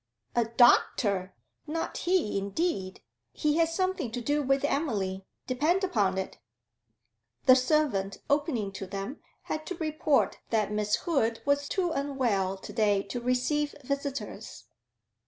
'A doctor! Not he, indeed. He has something to do with Emily, depend upon it.' The servant, opening to them, had to report that Miss Hood was too unwell to day to receive visitors.